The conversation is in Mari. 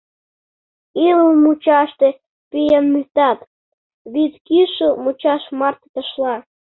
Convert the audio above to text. Ӱлыл мучаште пӱенытат, вӱд кӱшыл мучаш марте ташла.